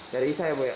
dari isa ya bu